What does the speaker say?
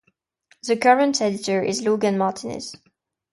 The current editor is Logan Martinez.